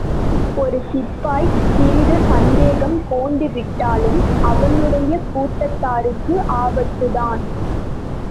ஒரு சிப்பாய் சிறிது சந்தேகம் கோண்டுவிட்டாலும், அவனுடைய கூட்டத்தாருக்கே ஆபத்துத்தான்.